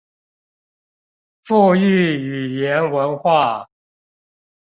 復育語言文化